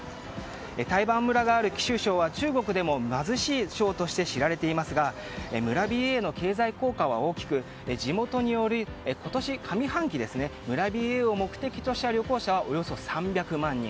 台盤村がある貴州省は中国でも貧しい省として知られていますが村ＢＡの経済効果は大きく地元への今年上半期村ＢＡを目的とした旅行者はおよそ３００万人。